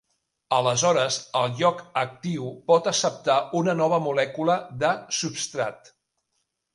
Aleshores, el lloc actiu pot acceptar una nova molècula de substrat.